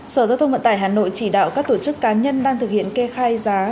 sở giao thông vận tải hà nội chỉ đạo các tổ chức cá nhân đang thực hiện kê khai giá